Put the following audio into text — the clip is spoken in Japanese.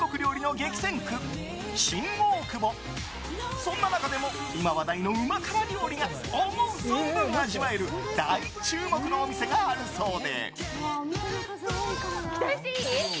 そんな中でも、今、話題のうま辛料理が思う存分味わえる大注目のお店があるそうで。